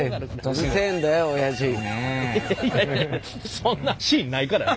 そんなシーンないからね。